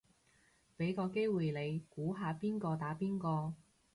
俾個機會你估下邊個打邊個